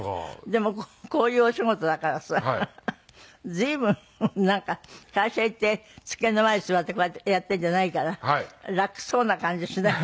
でもこういうお仕事だからさ随分なんか会社行って机の前に座ってこうやってやってるんじゃないから楽そうな感じしない？